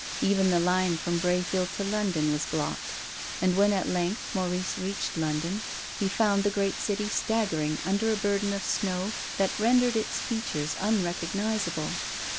Even the line from Brayfield to London was blocked, and when at length Maurice reached London he found the great city staggering under a burden of snow that rendered its features un recognisable.